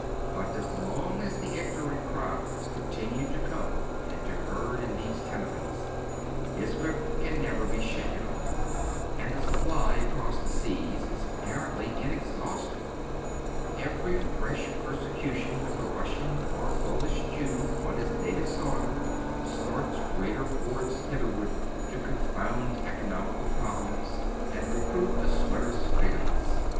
But as long as the ignorant crowds continue to come and to herd in these tenements, his grip can never be shaken oif. And the supply across the seas is apparently inexhaustible. Every fresh persecution of the Russian or Polish Jew on his native soil starts greater liordes hitlierward to con found economical problems, and recruit the sweater's pha lanx.